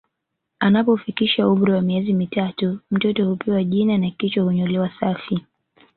Anapofikisha umri wa miezi mitatu mtoto hupewa jina na kichwa hunyolewa safi